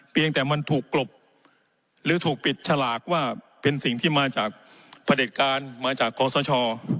เพียงแต่มันถูกกลบหรือถูกปิดฉลากว่าเป็นสิ่งที่มาจากผลิตการมาจากคอสช